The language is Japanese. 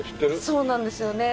そうなんですよね。